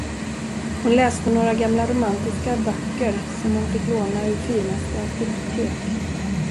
Hon läste några gamla romantiska böcker, som hon fick låna ur fyrmästarens bibliotek.